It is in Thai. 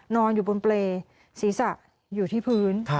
นอนอยู่บนเปรย์ศีรษะอยู่ที่พื้น